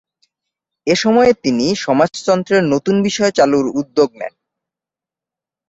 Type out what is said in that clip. এ সময়ে তিনি সমাজতন্ত্রের নতুন বিষয় চালুর উদ্যোগ নেন।